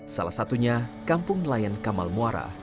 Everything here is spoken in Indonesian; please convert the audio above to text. salah satunya kampung nelayan kamal muara